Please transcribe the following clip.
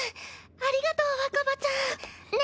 ありがとう若葉ちゃん。ね